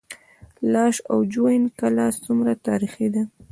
لاش او جوین کلا څومره تاریخي ده؟